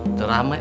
ya tuh rame